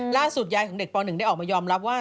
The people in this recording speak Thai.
ยายของเด็กป๑ได้ออกมายอมรับว่า